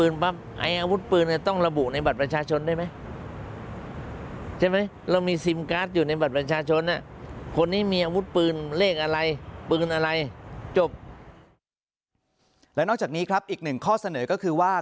แล้วนอกจากนี้ครับอีกหนึ่งข้อเสนอก็คือว่า